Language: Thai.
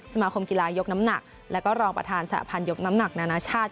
สมาคมกีฬายกน้ำหนักและก็รองประธานสหพันธ์ยกน้ำหนักนานาชาติ